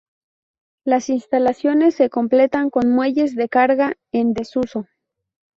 Las instalaciones se completan con muelles de carga en desuso.